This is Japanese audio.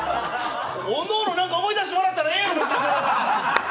おのおのなんか思い出してもらったらええやろ！